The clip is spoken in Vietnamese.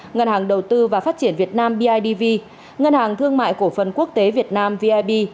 ngân hàng đầu tư và phát triển việt nam bidv ngân hàng thương mại cổ phần quốc tế việt nam vib